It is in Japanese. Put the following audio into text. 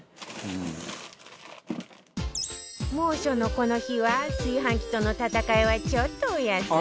猛暑のこの日は炊飯器との戦いはちょっとお休み